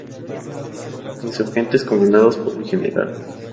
Los insurgentes comandados por el Gral.